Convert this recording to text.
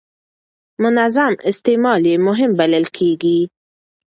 منظم استعمال یې مهم بلل کېږي.